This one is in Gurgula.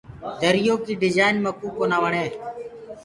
دريو ڪيٚ ڊجآئين ميڪوُ ڪونآ وڻي۔